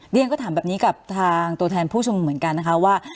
เรียนก็ถามแบบนี้กับทางตัวแทนผู้ชมนุมเหมือนกันนะคะว่า